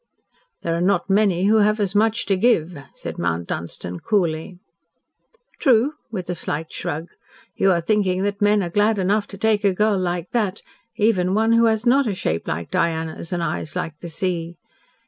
"There are not many who have as much to give," said Mount Dunstan coolly. "True," with a slight shrug. "You are thinking that men are glad enough to take a girl like that even one who has not a shape like Diana's and eyes like the sea.